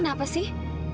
mama kenapa sih